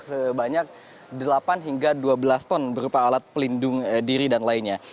sebanyak delapan hingga dua belas ton berupa alat pelindung diri dan lainnya